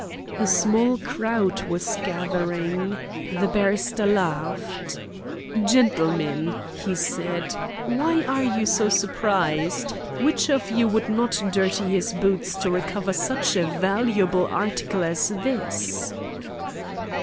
A small crowd was gathering. The barrister laughed. "Gentleman," he said, "why are you so surprised? Which of you would not dirty his boots to recover such a valuable article as this?"